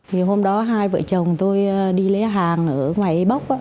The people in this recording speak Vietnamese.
thì hôm đó hai vợ chồng tôi đi lấy hàng ở ngoài bóc